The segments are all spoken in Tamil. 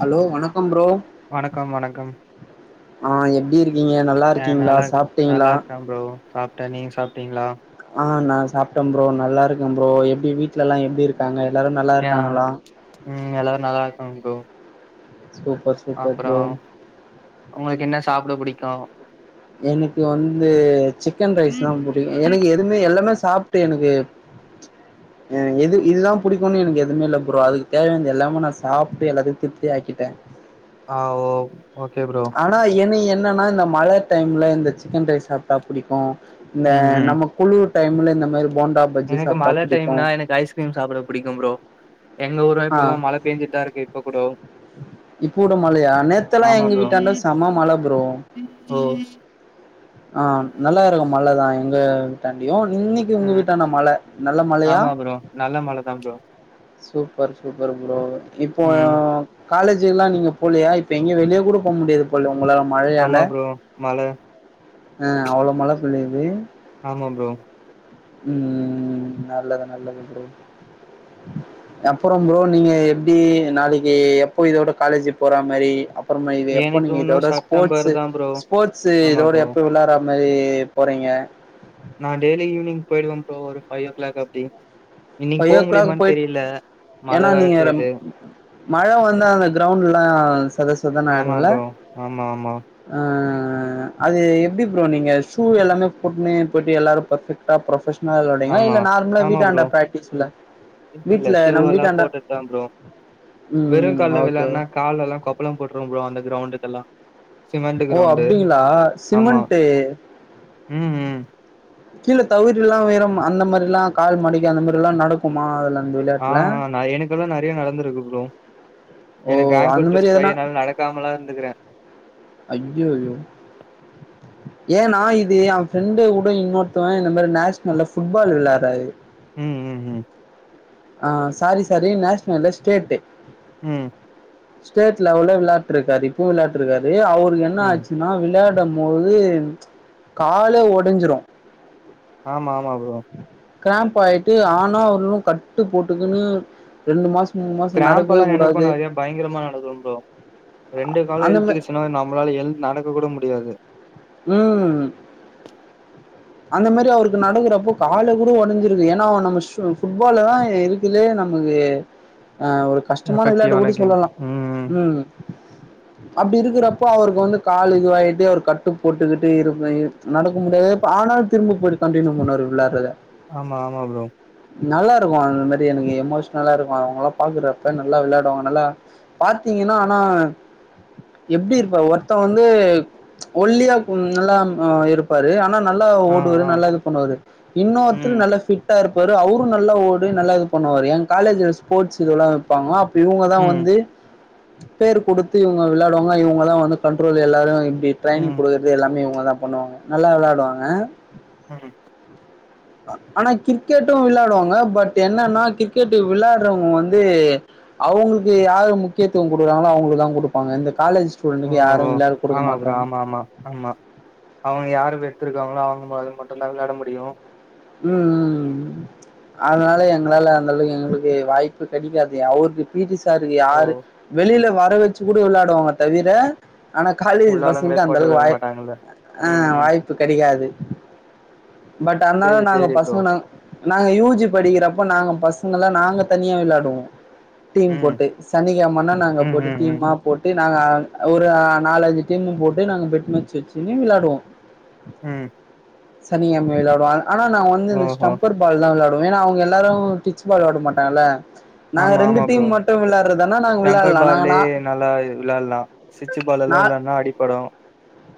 ஹலோ வணக்க புரோ வணக்கம் வணக்கம் ஆ எப்டி இருக்கீங்க நல்லா அ இருக்கீங்களா நல்லா சாப்ட்டீங்களா நல்லா இருக்கே புரோ சாப்ட்டே நீங்க சாப்ட்டீங்களா ஆ நா சாப்ட்டே புரோ நல்லா இருக்கே புரோ எப்டி வீட்ல எல்லா எப்டி இருக்காங்க எல்லாரு நல்லா ஏ இருக்காங்களா ம் எல்லாரும் நல்லா இருக்காங் புரோ சூப்பர் சூப்பர் புரோ உங்களுக்கு என்ன சாப்பிட புடிக்கு எனக்கு வந்து சிக்கன் ரைஸ் தா பிடிக் எனக்கு எதுமே எல்லாமே சாப்பிட்டு எனக்கு அஎது இதுதா பிடிக்கும்னு எனக்கு எதுவுமே இல்ல புரோ அதுக்கு தேவையானது எல்லாமே நா சாப்பிட்டு எல்லாத்தையு திருப்திய ஆக்கிட்டே ஆ ஒ ஆனா என்னி என் என்னன்னா இந்த மழ டைம்ல இந்த சிக்கன் ரைஸ் சாப்ட்டா புடிக்கு இந்த ம், ம். நம்ம குழுர் டைம்ல இந்த மாரி போண்டா பஜ்ஜி எனக்கு சாப்ட்டா மழ புடிக்கு டைம்னா எனக்கு ஐஸ்கிரீம் சாப்பிட புடிக்கு புரோ ஆ கூட. இப்போட மழையா நேத்தெல்லா ஆமா எங்க ப்ரோ. வீட்டாண்ட செம மழ புரோ ஓ ஆ நல்லா இருக்கு மழ தா எங்க தாண்டியு இன்னக்கி உங்க ம். வீட்டான்ட மழ நல்ல மழையா ஆமா ப்ரோ. நல்ல மழ தான் ப்ரோ. சூ சூப்பர் சூப்பர் புரோ இப்போ ம். காலேஜுெலா நீங்க போலயா இப்போ எங்கய வெளியே கூட போ முடியாது போல உங்களால மழையால ஆமா ப்ரோ. மழ அ அவ்வளவு மழ பொழியுது ஆமா ப்ரோ. ம்ம்ம் நல்லது நல்லது ப்ரோ அப்பறம் ப்ரோ நீங்க எப்டி நாளைக்கு எப்போ இதோட காலேஜ் போற மாரி அப் அப்பறமா இது எப்போ எனக்கு நீங்க இன்னும் இதோட செப்டம்பர் ஸ்போர்ட்ஸ்ஸூ தான் ப்ரோ. ஸ்போர்ட்ஸ் ஆமா இதோட ப்ரோ. எப்போ விளாற இது மாரி போறீங்க நா டெய்லி ஈவினிங் போய்ருவே ப்ரோ ம் ஒரு ஃபைவ் ஓ கிளாக் அப்டி இன்னைக்கு ஃபைவ் போக ஓ கிளாக் முடியுமான்னு போயி தெரியல மழ ஏன்னா வேற நீங்க பெய்யுது மழ வந்து அந்த கிரௌண்ட் எல்லா சதசதன்னு ஆமா ஆயிடும்ல ப்ரோ ஆமா ஆமா அ அ அது எப்டி ப்ரோ நீங்க ஷூ எல்லாமே போட்டுனு போயிட்டு எல்லாரு பெர்ஃபெக்டா ப்ரோஃபஷன் [unintelligible] ஆமா இல்ல நார்மலா ஆமா வீட்டாண்டா ப்ரோ பேக் இல்ல ஷூ எல்லாம் போட்டு தான் ப்ரோ ம் வெறும் கால்ல ஓகே ஓ விளான்னா கால எல்லாம் கொப்பளம் போட்டுரும் ப்ரோஅந்த கிரௌண் டுக்கெல்லாம் ஓ அப்டீங்களா ஆமா சிமெண்ட்டு ம் ம் கீழ தவறி எல்லாம் விழுறம் அந்த மாதிரி எல்லாம் கால் மடிக்கி அந்த மாதிரி எல்லாம் நடக்குமா அதுல அந்த ஆ விளையாட்டுல எனக்கெல்லாம் நறையா நடந்திருக்கு ப்ரோ ஓ எனக்கு அந்த ஆங்கிள் மாரி டெஸ்ட் ஆகி எதனா என்னால நடக்க முடியாமலாம் இருந்துக்கிறேன் ஐய்யய்யோ ஏன்னா நான் இது என் ஃப்ரெண்ட் கூட இன்னொ ருத்தவன் இந்த மாதிரி நேஷனல்ல ஃபுட்பால் விளையாடுறாரு ம் ம் ம் ஆ சாரி சாரி நோஷனல் இல்ல ஸ்டேட்டு ம் ஸ்டேட் லவல்ல விளாட்டு இருக்காரு இப்போவும் விளாட்டு இருக்காரு அவர் என்ன ம் ஆச்சுன்னா விளையாட போது காலே உடைஞ்சிரும் ஆமா ஆமா ப்ரோ கிரேம்ப் ஆயிட்டு ஆண் நா அவளும் கட் டு போட்டுக்குன்னு ரெண்டு மா கிராம்பெ எல்லாம் எனக்கும் நறைய பயங்கரமா நடக்கும் ரெண்டு காலும் அந்த மா இழுத்துக்கிச்சுனா சின்னதா நம்மளால எழுந்து நடக்க கூட முடியாது ம் அந்த மாதிரி அவுருக்கு நடக்குறப்போ காலை கூட உடைஞ்சிருக்கு ஏன்னா அவ நம்ம ஃபுட்பாலதான் இருக்குலே நமக்கு அ ஒரு கஷ்டமான விளாட்டு எஃபெக்டிவான கூட கேம் சொல்லலாம் ம் அப்படி இருக்கிறப்போ அவுருக்கு வந்து கால் இதுவாகிட்டு அவர் க ட்டு போட்டுக்கிட்டு இரு நடக்க முடியாது ஆனால் திரும்ப போயிட்டு கண்டியூ பண்ணுவார் விளையாடுறத ஆமா ஆமா ப்ரோ நல்லா இருக்கும் அந்த மாதிரி எனக்கு எமோஷன்லா இருக்கும் அவுங்க எல்லாம் பாக்குறப்ப நல்லா விளையாடுவாங்க நல்லா பாத்தீங்கன்னா ஆனா எப்படி இருப்பாரு ஒருத்தன் வந்து ஒல்லியா நல்லா இருப்பாரு ஆனா நல்லா ஆ ஓடுவாரு ஆ நல்லா இது பண்ணுவாரு ம் இன்னொருத்தர் நல்ல ஃபிட்டா இருப் பாரு அவுரும் நல்லா ஓடு நல்லா இது பண்ணுவாரு என் காலேஜ்ல ஸ்போர்ட்ஸ் இதெல்லாம் வைப்பாங்க இவுங்க தான் ம் வந்து பேரு கொடுத்து இவுங்க விளையாடுவாங்க இவுங்கதான் வந்து கண்ட்ரோல் எல்லாரும் ட்ரைனிங் ம் குடுக்கருது எல்லாமே இவுங்க தான் பண்ணுவாங்க நல்லா விளையாடுவாங்க ம் ஆனா கிரிக்கெட்டும் விளையாடுவாங்க பட் என்னன்னா கிரிக்கெட் விளையாடுறவங்க வந்து அவுங்களுக்கு யாரு முக்கியத்துவம் கொடுறாங்களோ அவுங்களுக்கு தான் கொடுப்பாங்க எந்த காலேஜ ஓ ஸ்டூண்ட்டுக்கு யாரும் விளையாட குடுக்க ஆமா ப்ரோ மாட்டாங்க ஆமா ஆமா ஆமா அவுங்க யாரு எத்துருக்காங்களோ அவுங்க அது மட்டு தா விளாட முடியும் உம் ம்ம் அதனால எங்களால அந்த அளவுக்கு எங்களுக்கு வாய்ப்பு கிடைக்காது அவருக்கு பீட்டி சாருக்கு ஓ யாரு வெளியில வர வச்சு கூட விளையாடுவாங்க தவிர ஆனா காலேஜ் உள்ள ஆளுங்களே பசங்கக்கு அந்த போட்டு அளவுக்கு விளையாட வாய மாட்டாங்கல்ல ஆ ம் ம் வாய்ப்பு கெடைக்காது பட் சேரி அதனாலதான் நாங்க சேரி ப்ரோ பசங்கனா நாங் நாங்க யூஜி படிக்கிறப்ப நாங்க பசங்கல்லா நாங்க தனியா வெளயாடுவோ டீம் ம் போட்டு சனிக்கிழமன்ன நாங்க ம் போட்டு ம் ம் டீம்மா போட்டு நாங்க ஒரு நாலஞ்சு டீமு போட்டு நாங்க பெட் மேச் வச்சுன்னு வெளாடுவோ ம் சனிக்கிழம வெளாடுவோ ஆனா நா வந்து இந்த ஓஹோ ஸ்டம்பர் பால் ல வெளாடுவே ஏன்னா அவுங்க எல்லாரு டிச் பால் வெளயாட மாட்டாங்கல்ல நாங்க ஆமா ரெண்டு ஆமா டீம் ப்ரோ மட்டு விளாடுறதுனா நாங்க டெம்பர் விளாடலா நாங்க பாலே நா நல்லா விளையாடலாம் சுவிச் பால் நா எல்லாம் விளையாடுனா அடிப்படு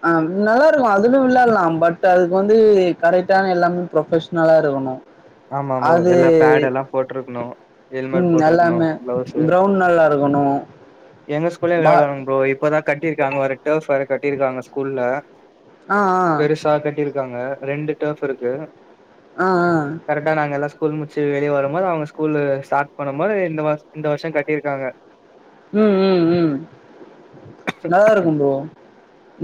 ஆ நல்லா இருக்கு அதுல விளையாலாம் பட் அதுக்கு வந்து கரெக்டான எல்லாமே ப்ரொபஷனலா இருக்கணு ஆமா ப்ரோ அது எல்லா பேட் எல்லா போட்ருக்கணு ஹெல்மெட் ம் போட்ருக்கணு எல்லாமே கிளவுஸ் கிரௌண்ட் நல்லா இருக்கணு எங்க ஸ்கூல்லயு பா விளையாடுவாங்க ப்ரோ இப்பதா கட்டிருக்காங்க வேற டெப் வரை கட்டியிருக்காங்க ஸ்கூல்ல ஆ ஆ பெருசா கட்டி இருக்காங்க ரெண்டு டேப் இருக்கு ஆ ஆ கரெக்டா நாங்கல்ல ஸ் ஸ்கூல் முடிச்சு வெளிய வரும்போது அவுங்க ஸ்கூல் ஸ்டாட் பண்ணும்போது இந்த இந்த வருஷோ கட்டியிருக்காங்க ம் ம் ம் நல்லா இருக்கும் ப்ரோ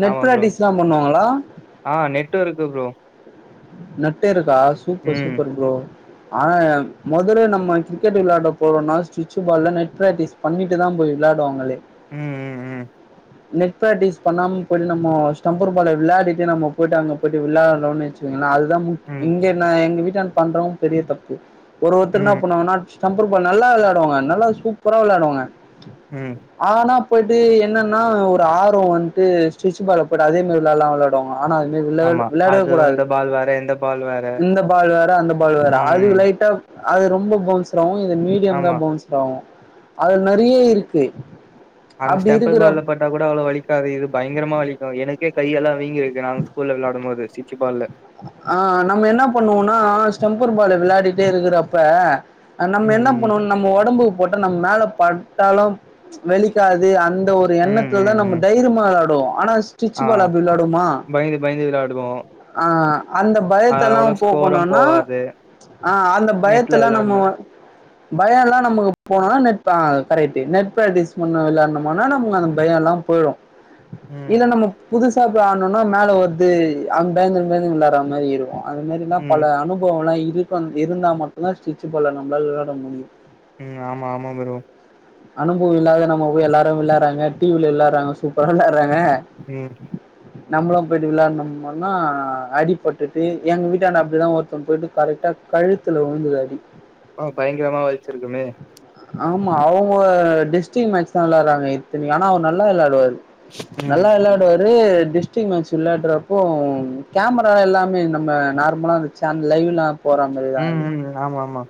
நெட் ஆமா ப்ரோ பிராக்டிஸ் தா பண்ணுவாங்ளா ஆ நெட் ஒர்க் ப்ரோ நெட்டு ஆ சூப்பர் ம் சூப்பர் ப்ரோ ஆ மொதல்ல நம்ம கிரிக்கெட் விளாட போறம்னா ஸ்விட்சு பால்ல நெட் பிராக்டிஸ் பண்ணிட்டு தா போய் விளாடுவாங்களே ம் ம் ம் நெட் பிராக்டிஸ் பண்ணாம போயிட்டு நம்ம ஸ்டெம்பர் பால விளயாடிட்டு நமப போயிட்டு அங்க போயிட்டு விளயாடலைன்னு வச்சுக்கோங்கலே அது ம் ம் இங்க நா எங்க வீட்டு இதுதான் பண்றோ பெரிய தப்பு ஒரு ஒருத்தர் என்னா ம் ம் பண்ணுவாங்கனா ஸ்டம் பர் பால் நல்லா வெளாடுவாங்க நல்லா சூப்பரா வெளாடுவாங்க ம் ஆனா போயிட்டு என்னன் னா ஒரு ஆர்வ வன்ட்டு ஸ்டிச்சு பால போடு அதே மாரி விளால்லா விளாடுவாங்க ஆனா அதுமேர் விளாட் ஆமா விளாடவே அது கூடாது இந்த பால் வேற இந்த பால் வேற இந்த பால் வேற அந்த பால் வேற அது ம் லைட்டா அது ரொம்ப பவுன்ஸ் மாவு இது மீடியம் தா ஆமா பவுன்ஸாவு அது நெறைய இருக்கு அந்த அப்டி ஸ்டெம்பர் இருக்கிற பால்ல பட் டா கூட அவ்ளோ வலிக்காது இது பயங்கரமா வலிக்கு எனக்கே கையெல்லா வீங்கிருக்கு நாங்க ஸ்கூல்ல விளாடும் போது ஸ்டிச்சு பால்ல ஆ நம்ம என்ன பண்ணுவோன்னா ஸ்டெம்பர் பால விளாடிட்டே இருக்கிறப்ப அ நம்ம ம் என்ன பண்ணுவோ நம்ம ஒடம்பு போட்ட நம்ம மேல பட்டாலு வலிக்காது அந் த ஒரு ம் ம் எண்ணத்துல தா ம் நம்ம ம் தைரியமா வெளாடுவோ ஆனா ஸ்டிச் ஆ பால் அப்டி விளாடுவோமா பயந்து பயந்து விளாடுவோ ஆ அந்த பயத்தல்லா அவ்ளோ ஸ்கோரு போக்கனுன்னா போவாது அ அந்த நெட்ல பயத்தல்லா நம்ம விளாட்ணு பயொல்லா நமக்கு போனுன்னா நெட் ஆ கரெக்ட்டு நெட் ப்ராக்ட்டிஸ் பண்ண வெளாட்னமோனா நமக்கு அந்த பயொல்லா போயிடு ம் இல்ல நம்ம புது சா போய் ஆட்னோன மேல வருது அங் பயந்துன் பயந்துன்‌ விளாட்ற மாரி இருக்கு அது மாரிலா ம் பல அனுபவொல்லா இரு [unintelligible] இருந்தா மட்டு தா ஸ்டிச்சு பால நம்ளால விளாட முடியு ம் ஆமா ஆமா ப்ரோ அனுபவ இல்லாதயா நம்ம போய் எல்லாரு விளாறாங்க டி வி‌ல விளாறாங்க சூப்பரா விளா ட்றாங்க ம் நம்மளு போயிட்டு விளாட்னம்மோனா அடிபட்டுட்டு எங்க வீட்டாண்ட அப்டிதா ஒருத்தவ் போயிட்டு கரெக்டா கழுத்துல விழுந்தது அடி ஆ பயங்கரமா வலிச்சிருக்குமே ஆமா அவு ங்க டிஸ்ட்டிங் மேட்ச் தா விளாட்றாங்க இத்தினி ஆனா அவர் நல்ல விளாடுவாரு ம் நல்லா விளாடுவாரு டிஸ் டெஸ்டிங் மேட்ச் விளயாடுறப்போ கேமரா எல்லாமே நம்ம நார்மலா சன் லைவ்லா போறாங்கள்ள ம் அது ம் ம் ஆமா ஆமா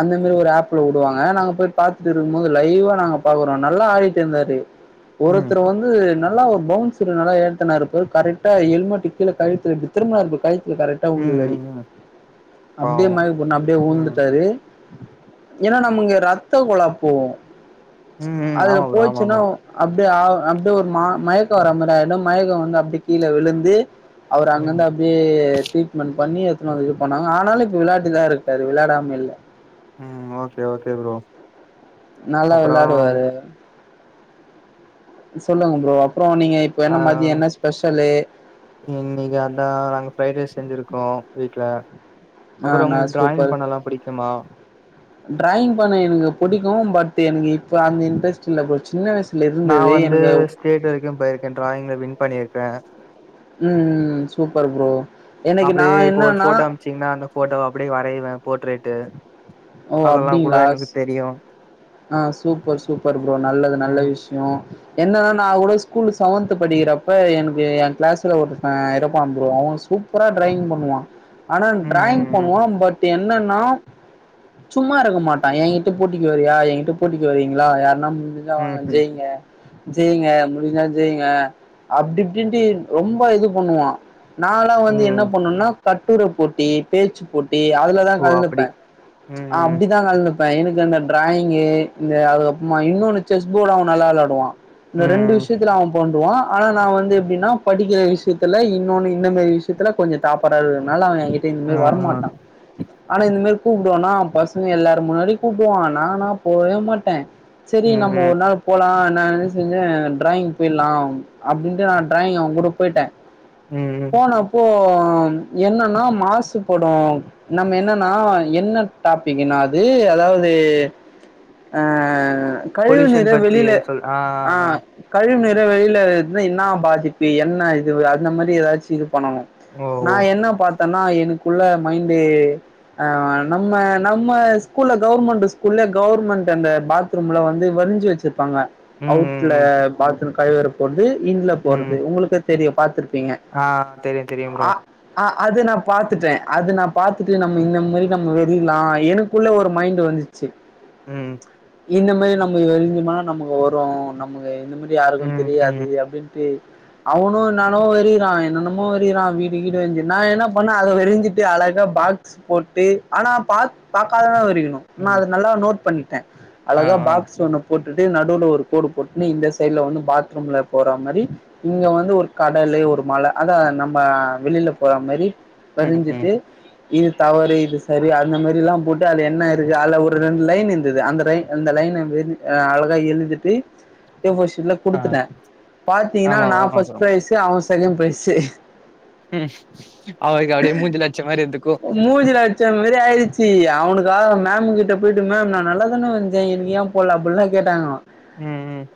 அந்த மாதிரி ஒரு ஆப்ல விடுவாங்க நாங்க போய் பாத்துட்டு இருக்கும் போது லைவா நாங்க பாக்குறோ நல்லா ஆடிட் இருந்தாரு ம் ஒருத்தர் வந்து ஒரு பௌன்ஸர் கரெக்டா கெல்மெட் கீழழுத்த கழத்து [unintelligible] கரெக்டா ம் உளுந்தது அடி ம் ம் அப்டியே பாவோ மயக்கம்போட்டு அப்டியே ம் ஊழ்ந்துட்டாரு ஏன்னா நாம இங்க ரத்த கொழப்போ ம் ம் அதுல ஆமா ப்ரோ ஆமா போச்சுன்னா ஆமா அப்டியே ஆ அப்டி ஒரு மா மயக்கம் வரா மதிரி ஆயிடு மயக்க வந்து அப்டி கீழ விழுந்து அவர் அங்கந்து ம் அப்டியே ட்ரீட்மெண்ட் பண்ணி இது பண்ணாங்க ஆனாலு இப்ப விளயாடிதா இருக்காரு விளாடாம இல்ல உம் ஓகே ஓகே ப்ரோ நல்லா அப்றோ விளாடுவாரு சொல்லுங்க ப்ரோ அப்றோ நீங்க இப்ப ஆ என்ன மதிய என்ன ஸ்பெஷலு இன்னைக்கு அதா நாங்க பிரஃரைட் ரைஸ் செஞ்சிருக்கோ வீட்ல ஆ அப்றோ நா உங்களுக்கு டிராயிங் சூப்பர் பண்ணலா புடிக்குமா டிராயிங் பண்ணுவே எனக்கு பிடிக்கு பட் எனக்கு இப்ப அந்த இன்ட்ரஸ்டு இல்ல சின்ன வியம நா வந்து ஸ்டேட் வரைக்கு போயிருக்கே டிராயிங்ல வின் பண்ணியிருக்கே உம் உம் உம் சூப்பர் ப்ரோ எனக்கு நா அப்டியே இப்போ ஒரு என்னன்னா போட்டோ அனுப்சாசீங்கனா அந்த போட்டோ அப்டியே வரைய்வே போட்ரேட்டு ஓ அதெல்லாம் கூட அப்டிங்களா எனக்கு தெரியு ஆ சூப்பர்-சூப்பர் ப்ரோ நல்லது நல்ல ம் விஷ்யோ என்னன்னா நா அவ கூட ஸ்கூல் செவன்த் படிக்கிறப்ப எனக்கு எ கிளாஸ்ல ஒரு இருப்பா ப்ரோ அவன் சூப்பரா டிராயிங் பண்ணுவா ஆனா ம் டிராயிங் ம் ம் பண்ணுவா பட் என்னன்னா சும்மா இருக்க மாட்டா எங்கிட்ட போட்டிக்கு வரையா என் எங்கிட்ட போட்டிக்கு வருவிங்ளா யாருன்னா இதுதா ம் ம் ஜெய்ங்க ஜெய்ங்க முடிஞ்சா ஜெய்ங்க அப்டி இப்டின்ட்டு ரொம்ப இது பண்ணுவா நாலா வந்து என்ன ம் பண்ணும்னா கட் பூர போட்டி பேச்சு போட் டி அதுலதா ஓ அப்டி கழந்துப்பே ம் ஆ ம் அப்படிதா கழந்துப் ப்ப எனக்கு அந்த டிராயிங் ங்கு அதுக்கப்புறமா இன்னொன்னு செஸ் போர்டு அவன் நல்லா விளாடுவா ம் இந்த ரெண்டு ம் விஷயத்துல அவன் பண்டுவா ஆனா நா வந்து எப்படின்னா படிக்கல விஷயத்துல இன்னொரு இந்தமாரி விஷயத்துல கொஞ்சம் தாப்பராறதுனால அவெ அவ கிட்ட ஆ இந்தமாரி ஆ வரமாட்டா ஆனா இந்தமாரி கூப்பிடுவோம்னா அவ பசங்க எல்லாரு முன்னாடியு கூப்பிடுவோ நானா போவே மாட்டே சரி ம் நம்ம ம் ஒரு நாள் போலா நா என்ன செஞ்சே டிராயிங் போயிடலா அப்படின்ட்டு நா டிராயிங் அவ கூட போயிட்டே ம் ம் போனப்போ அப்போ என்னன்னா மாசு போடு நம்ம என்னன்னா என்ன டாப்பிக்னா அது அதாவது ஆ கழிவு நீர வெளியில ஆ கழிவு நீர் வர வழியில என்னா பாதிப்பு என்ன இது அந்த மாதிரி ஏதாச்சு பண்ணணு ஓ ஓ நா என்ன பார்த் த்தனா எனக்குள்ள மைண்ட் நம்ம நம்ம ஸ்கூல்ல கவர்மெண்ட் ஸ்கூல்ல கவர்மெண்ட் அந்த பாத்ரூம்ல வந்து வரிஞ்சு வச்சிரு ருப்பாங்க ம் ம் அவுட்ல ம் பாத்ரூம் கை வேற போண்டு இன்ல ம் போறது உங்களுக்கே தெரியு பாத்துருக் ஆ தெரியு தெரியு புரோ ஆ அது நா பார்த்துட்டே அத நா பார்த்துட்டு நம்ம இந்த மாரி நம்ம வறியலா எனக்குள்ள ஒரு மைண்ட் வந்துச்சு ம் இந்த மாதிரி நம்ம வெரிஞ்சுசோம்னா நமக்கு வரும் நமக்கு இந்த மாதிரி யாருக்கு ம் தெரியாது ம் அப்டின்ட்டு அவனு நானு வெறிறா என்னென்னமோ வெறிறா வீட்டு கீடு வெறிஞ் நா என்ன பண்ணே அத வெறிஞ்சிட்டு அழகா பாக்ஸ் போட்டு ஆனா பா பாக்காமதா வெறியனு நா ம் அத ஆ நோட் பண்ணி டே ஆ அழகா ஆ பாக்ஸ் ஒண்ணு போட்டுட்டு நடுவுல ஒரு கோடு போட்டுன்னு இந்த சைடில் வந்து பாத்ரூமுல போற மாரி இங்க வந்து ஒரு கடலு ஒரு மல அதா நம்ம வெளியில போற மாரி ம் ம் பதிஞ்சிட்டு இது தவறு இது சரி அந்த மாதிரிலாம் போட்டு அதுல என்ன இருக்கு அளவு ஒரு ரெண்டு லைன் இருந்தது அந்த லைன் அந்த லைன் அழகா எழுதிட்டு ஏ ஃபோர் ஷீட் ல ஆ குடுத்துட்டேன் பாத்தீங்கன்னா ஆமா நான் ஆமா ஃப்ர்ஸ்ட் ப்ரோ பிரைஸ் அவன் செகண்ட் பிரைசு ம் அவருக்கு அப்டியே மூஞ்சில அடிச்ச மாரி இருந்துக்கு மூஞ்ஜில அடிச்ச மாதிரி ஆயிடுச்சு அவனுக் தா மேம் கிட் போயிட்டு மேம் நான் நல்லா தானே வரஞ்சேன் எனக்கு ஏன் போடல அப்படி லாம் கேட்டாங்களாம் ம் ம்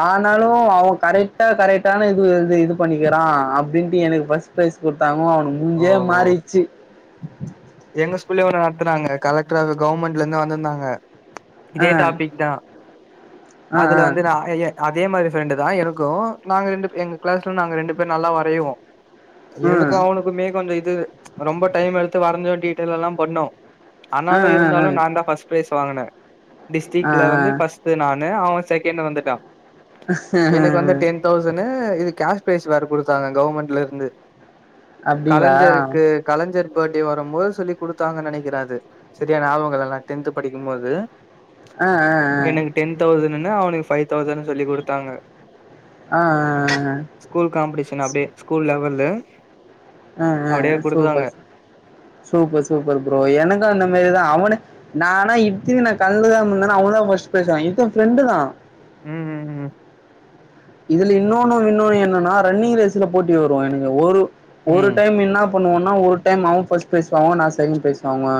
ஆனாலும் அவன் கரெக்ட்டா கரெக்ட்டான இது இது பண்ணிருக்குறான் அப்படின்ட்டு எனக்கு ஃபர்ஸ்ட் ப்ரைஸ் குடுத்தாங் க அவனுக்கு ஓ முஞ்சியே ஓ ஓ மாறிச்சு எங்க ஸ்கூல்லயே ஒன்னு நடத்துனாங்க கலெக்ட்ரா அது கவுர்மெண்ட்ல இருந்து வந்திருந்தாங்க ஆ இதே டாபிக் தான் ஆ ஆ அதுல வந்து நான் ஏ ஐ ஆப் இதே மாதிரி ஃப்ரெண்டு தான் எனக்கும் நாங்க ரெண்டு எங்க கிளாஸ்ல நாங்க ரெண்டு பேர் நல்லா வரைவோம் ம் எனக்கு அவனுக்குமே கொஞ்சம் இது ரொம்ப டைம் எடுத் து வரஞ்சேன் கேட்டதெல்லாம் பண்ணோம் ஆ ஆனாலும் ஆ ஆ இருந்தாலும் நான் தான் ஃபர்ஸ்ட் ப்ரைஸ் இப்ப வாங்குனேன் ஆ டிஸ்டிக்ல வந்து ஃபர்ஸ்ட் நா அதான் அவன் செகண்ட் வந்துட்டா ஆ எனக்கு வந்து டென் தௌசணு இது கேஷ் ப்ரைஸ் வேற கொடுத்தாங்க கவர்மெண்ட்ல இருந்து அப்டிங்களா கலைஞ் இருக்கு கலைஞ் இருக்கு பர்த்டே வரும்போது சொல்லி குடுத்தாங்கன்னு நெனைக்கிறேன் அது சரியா ஞாபகம் இல்ல நான் டென்த் படிக்கும்போது ஆ ஆ எனக்கு டென் தௌசண் அவனுக்கு பைவ் தௌசண்ட் சொல்லி குடுத்தாங்க ஆ ஆ ஆ ஸ்கூல் காம்படிஷன் அப்டியே ஸ்கூல் லெவல்லு [inaudible] ஆ ஆ அப்டியே ஆ குடுத்தாங்க சூப்பர் சூப்பர் சூப்பர் ப்ரோ எனக்கு அந்த மாரிதா அவனு நானா இத்தி நா கழந்துக்காமருந்தனா அவ தா ஃப்ர்ஸ்ட் ப்ரைஸ் இத்தன் அவ ஃப்ரெண்டு தா ம் ம் ம் இதுல இன்னொன்னு இன்னொன்னு என்னன்னா ரன்னிங் ரேஸ்ல போட்டி வரு எனகு ஒரு ஒரு ம் டைம் என்ன பண்ணுவோனா ஒரு டைம் அவ ஃபஸ்ட் ப்ரைஸ் வாங்குவா நா செகண்ட்ப்ரைஸ் வாங்குவ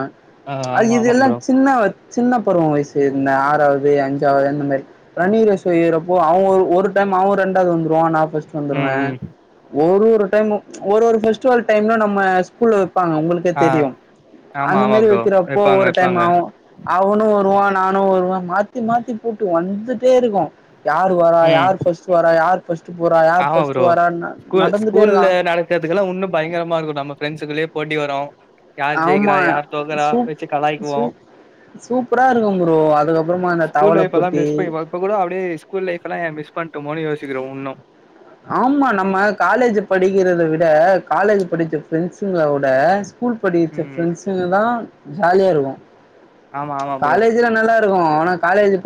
ஆ அது ஆமா ஆமா இததுெல்லா ப்ரோ சின்னவ சின்ன பருவ வயசு இருந்த ஆறாவது அஞ்சாவது அந்த மாரி ரன்னிங் ரேஷயறப்போ அவங்க ஒரு ஒர் டைம் அவு ரெண்டாவது வந்துருவா நா ஃபஸ்டு ம் வந்துறுவே ம் ஒரு ஒரு டைமு ஒரு ஒரு ஃபெஸ்டிவல் டைம்லயு நம்ம ஸ்கூல ங்க உங்களுக்கே ஆ தெரியு ஆமா அந்த ஆமா மாரி ப்ரோ வைக்கிறப்போ வெப்பாங்க ஒரு டைம் வெப்பாங்க ஆவு அவுனு வருவா நானு வருவே மாத்தி மாத்தி போட்டு வந்துட்டே இருக்கு யாரு வரா ம் யாரு த யார் ஃபஸ் ஆமா ப்ரோ ஸ்கூல் இருக்கா ஸ்கூல்ல நடக்கறதுக்கு எல்லா உன்னு பயங்கரமா இருக்கும் நம்ம ரெண்ட்ஸ் குள்ளையே போட்டி வரோ யார் ஜெயிக்கிறா ஆமா யார் தோகுறா சூப் வச்சு கலாயக்குவோ சூப் சூப்பரா இருக்கு ப்ரோ அதுக்கப்புறமா அந்த ஸ்கூல் தவள லைஃப் எல்லா போட்டி மிஸ் பண்ணிப்ப கூட அப்படியே ஸ்கூல் லைஃப்லா ஏ மிஸ் பண்ட்டமோ இதுல ஒன்னு ஆமா நம்ம காலேஜ் படிக்கிறத விட காலேஜ் படிச்ச ஃபிரரெண்ட்ஸங்கள விட ஸ்கூல் படிச்ச ம் ஃபிரண்ட்ஸ்ங்க தா ஜாலியா இருக்கு ஆமா ஆமா ப்ரோ காலேஜ்ல நல்லா இருக்கு ஆனா காலேஜ் போ